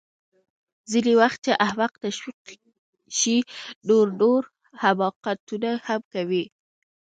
ځینې وخت چې احمق تشویق شي نو نور حماقتونه هم کوي